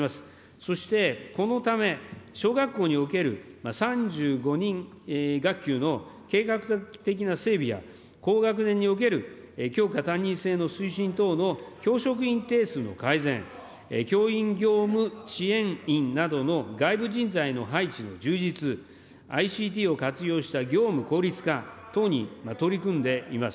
そしてこのため、小学校における３５人学級の計画的な整備や、高学年における教科担任制の推進等の教職員定数の改善、教員業務支援員などの外部人材の配置の充実、ＩＣＴを活用した業務効率化等に取り組んでいます。